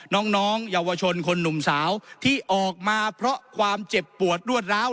น้องเยาวชนคนหนุ่มสาวที่ออกมาเพราะความเจ็บปวดรวดร้าว